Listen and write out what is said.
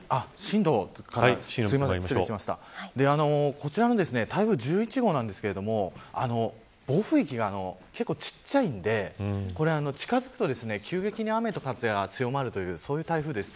こちらの台風１１号ですが暴風域が結構ちっちゃいんで近づくと急激に雨と風が強まるという台風です。